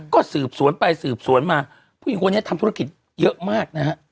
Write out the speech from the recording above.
ก็สืบสวนไปสืบสวนมาผู้หญิงคนนี้ทำธุรกิจเยอะมากนะฮะ